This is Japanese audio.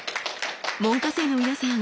門下生の皆さん